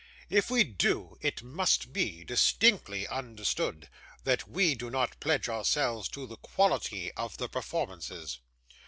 'If we do, it must be distinctly understood that we do not pledge ourselves to the quality of the performances.